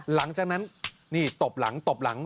หลังจากนั้นตบหลัง